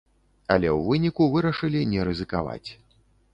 Але ў выніку вырашылі не рызыкаваць.